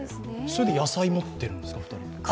それで野菜を持ってるんですか。